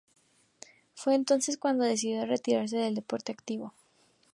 Fue entonces cuando decidió retirarse del deporte en activo.